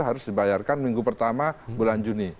harus dibayarkan minggu pertama bulan juni